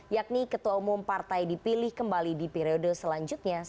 yakni ketua umum partai dipilih kembali di periode selanjutnya